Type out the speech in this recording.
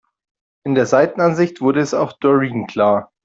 In der Seitenansicht wurde es auch Doreen klar.